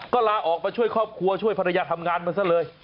ก็ลาออกมาช่วยครอบครัวช่วยภรรยาทำงานมาซะเลย